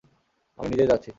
আমি নিজেই যাচ্ছি।